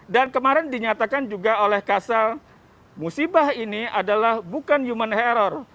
dan kemarin dinyatakan juga oleh kasal musibah ini adalah bukan human error